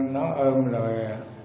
nó ôm lời